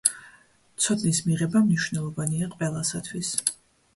ცოდნის მიღება მნიშვნელოვანია ყველასათვის.